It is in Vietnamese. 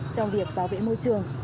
trong việc bảo vệ môi trường